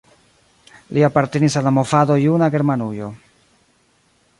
Li apartenis al la movado Juna Germanujo.